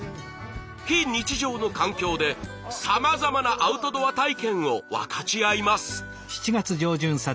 非日常の環境でさまざまなアウトドア体験を分かち合います。